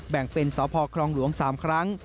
แบ่งเป็นสพครองหลวง๓ครั้ง